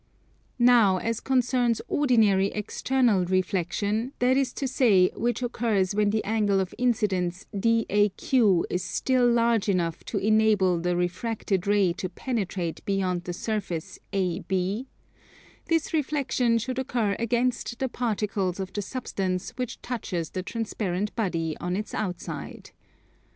Now as concerns ordinary external reflexion, that is to say which occurs when the angle of incidence DAQ is still large enough to enable the refracted ray to penetrate beyond the surface AB, this reflexion should occur against the particles of the substance which touches the transparent body on its outside.